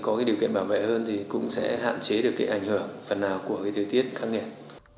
có điều kiện bảo vệ hơn cũng sẽ hạn chế được ảnh hưởng phần nào của thời tiết khắc nghiệt